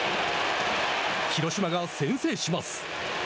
広島が先制します。